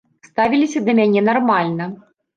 Ставіліся да мяне нармальна.